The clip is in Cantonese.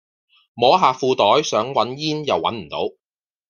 摸下褲袋想搵煙又搵唔到